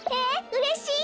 うれしい！